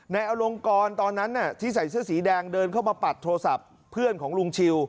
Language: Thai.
อลงกรตอนนั้นที่ใส่เสื้อสีแดงเดินเข้ามาปัดโทรศัพท์เพื่อนของลุงชิว